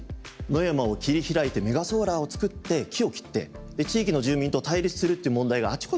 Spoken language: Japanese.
野山を切り開いてメガソーラーをつくって木を切って地域の住民と対立するっていう問題があちこちで起きてますね。